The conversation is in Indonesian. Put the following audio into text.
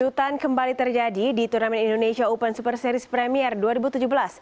kejutan kembali terjadi di turnamen indonesia open super series premier dua ribu tujuh belas